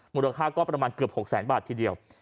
มูลค่าก็ประมาณเกือบ๖แสนบาททีเดียว